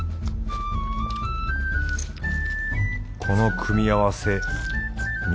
この組み合わせ